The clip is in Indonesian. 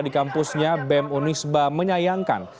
di kampusnya bem unisba menyayangkan